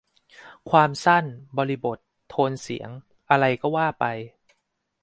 ความสั้น บริบท โทนเสียง อะไรก็ว่าไป